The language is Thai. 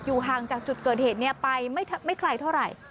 ห่างจากจุดเกิดเหตุไปไม่ไกลเท่าไหร่